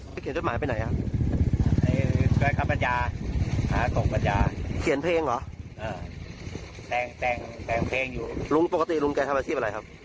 แต่งเพลงอยู่ลุงปกติลุงแกทำอาชีพอะไรครับ